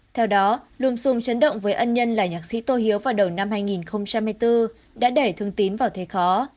theo đó lùm xùm chấn động với ân nhân là nhạc sĩ tô hiếu vào đầu năm hai nghìn hai mươi bốn đã đẩy thương tín vào thế khó